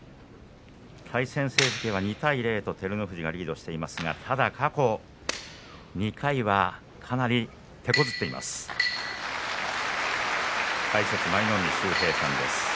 対戦成績は２対０と照ノ富士がリードしていますがただ過去２回はかなりてこずっています。